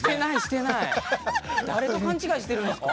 誰と勘違いしてるんですか？